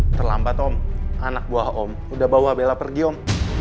terlambat om anak buah om udah bawa bella pergi om